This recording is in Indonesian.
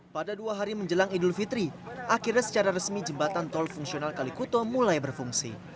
pada dua hari menjelang idul fitri akhirnya secara resmi jembatan tol fungsional kalikuto mulai berfungsi